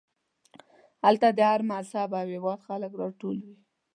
هلته د هر مذهب او هېواد خلک راټول وي.